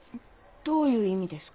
どういう意味ですか？